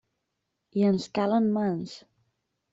I ens calen mans!